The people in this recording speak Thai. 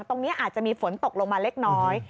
ตรงนี้อาจจะมีฝนตกลงมาเล็กน้อย